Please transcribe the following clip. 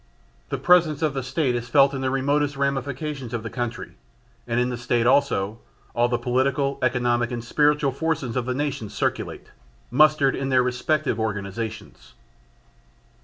The presence of the State is felt in the remotest ramifications of the country. And in the State also, all the political, economic and spiritual forces of the nation circulate, mustered in their respective organisations.